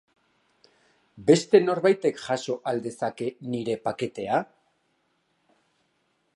Beste norbaitek jaso al dezake nire paketea?